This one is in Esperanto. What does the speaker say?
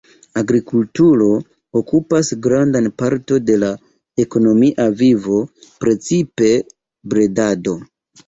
Agrikulturo okupas grandan parton de la ekonomia vivo, precipe bredado.